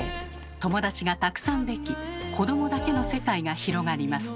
友達がたくさんでき子どもだけの世界が広がります。